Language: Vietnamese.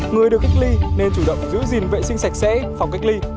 người được cách ly nên chủ động giữ gìn vệ sinh sạch sẽ phòng cách ly